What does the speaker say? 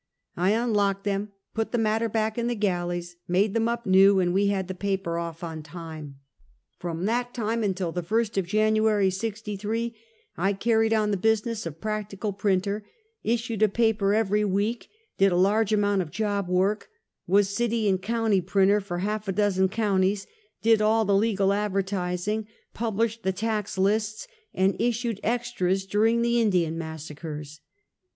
I unlocked them, put the matter back in the galleys, made them up new, and we had the paper off on time. The Rebellion. 211 From that time until tlie first of Jamiary, '63, I car ried on the business of practical printer, issued a paper every week, did a large amount of job work, was city and county printer for half a dozen counties, did all the legal advertising, published the tax lists, and issued extras during the Indian massacres.